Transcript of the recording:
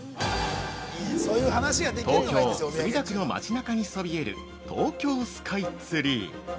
◆東京・墨田区の街中にそびえる東京スカイツリー。